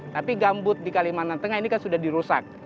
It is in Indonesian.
tapi gambut di kalimantan tengah ini kan sudah dirusak